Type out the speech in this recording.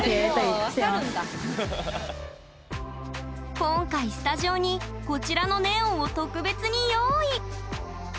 今回スタジオにこちらのネオンを特別に用意！